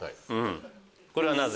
これはなぜ？